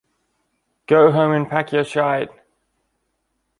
Go home and pack your shite!